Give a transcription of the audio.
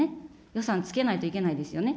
予算つけないといけないですよね。